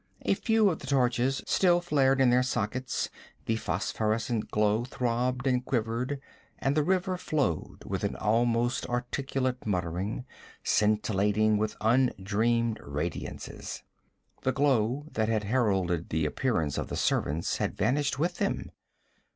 A few of the torches still flared in their sockets, the phosphorescent glow throbbed and quivered, and the river flowed with an almost articulate muttering, scintillant with undreamed radiances. The glow that had heralded the appearance of the servants had vanished with them.